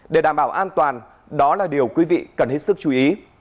để đảm bảo an toàn đó là điều quý vị cần hết sức chú ý